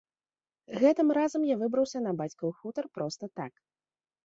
Гэтым разам я выбраўся на бацькаў хутар проста так.